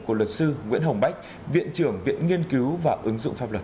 của luật sư nguyễn hồng bách viện trưởng viện nghiên cứu và ứng dụng pháp luật